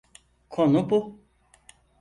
Konu bu.